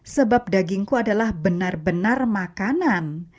sebab dagingku adalah benar benar makanan